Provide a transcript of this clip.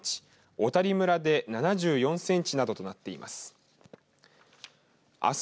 小谷村で７４センチなどとなっています。